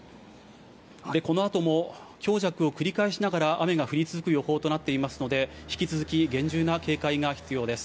このあとも強弱を繰り返しながら雨が降り続く予報となっていますので、引き続き厳重な警戒が必要です。